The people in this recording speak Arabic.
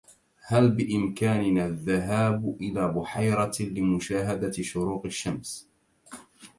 هل بإمكاننا الذّهاب إلى البحيرة لمشاهدة شروق الشّمس؟